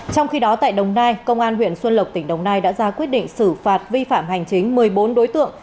trong khi đó tại đồng nai công an huyện xuân lộc tỉnh đồng nai đã ra quyết định xử phạt vi phạm hành chính một mươi bốn đối tượng